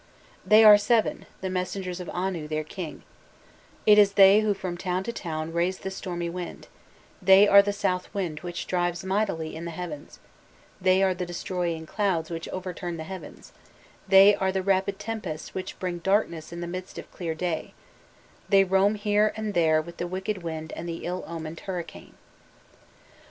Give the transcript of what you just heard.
"They are seven, the messengers of Anu their king; it is they who from town to town raise the stormy wind; they are the south wind which drives mightily in the heavens; they are the destroying clouds which overturn the heavens; they are the rapid tempests which bring darkness in the midst of clear day, they roam here and there with the wicked wind and the ill omened hurricane."